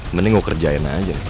mending gue kerjain aja